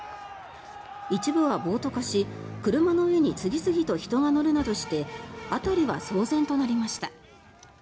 一部は暴徒化し車の上に次々と人が乗るなどして辺りは騒然となりました。